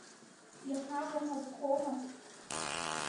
Иҳамоу ҳазхома?